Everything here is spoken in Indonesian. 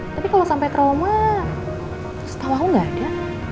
tapi kalau sampai trauma terus tau aku gak ada